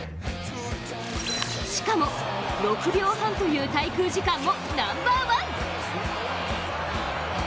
しかも６秒半という滞空時間もナンバーワン。